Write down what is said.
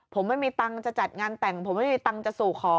ผมไม่มีตังค์จะจัดงานแต่งผมไม่มีตังค์จะสู่ขอ